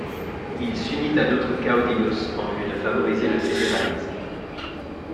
Il s’unit à d’autres caudillos en vue de favoriser le fédéralisme.